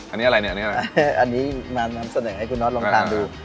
อันนี้อะไรเนี่ยอันนี้อะไรอันนี้มานำเสน่ห์ให้คุณนอสลองทานดู